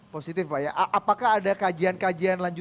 positif pak ya apakah ada kajian kajian lanjut